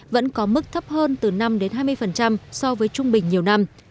vẫn có mức thấp hơn từ năm hai mươi so với trung bình nhiều năm